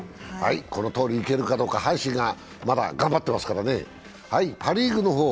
このとおりいけるかどうか、阪神がまだ頑張ってますからね。